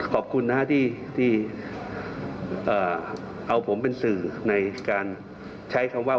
ขอบคุณนะฮะที่เอาผมเป็นสื่อในการใช้คำว่า